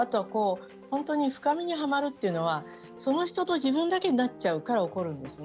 本当に深みにはまるというのはその人と自分だけになってしまうから起こるんですね。